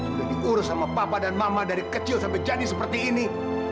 sudah diurus sama papa dan mama dari kecil sampai jadi seperti ini